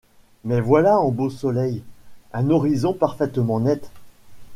Mais voilà un beau soleil, un horizon parfaitement net.